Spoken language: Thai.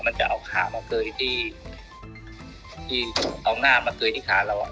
มันจะเอาขามาเกยที่เอาหน้ามาเกยที่ขาเรา